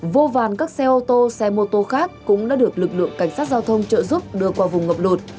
vô vàn các xe ô tô xe mô tô khác cũng đã được lực lượng cảnh sát giao thông trợ giúp đưa qua vùng ngập lột